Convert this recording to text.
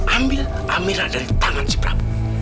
ambil amira dari tangan si prabu